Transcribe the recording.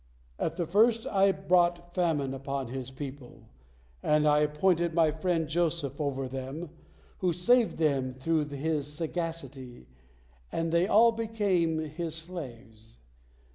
At the first I brought a famine upon his people, and I appointed My friend Joseph over them, who saved them through his sagacity, and they all became his slaves.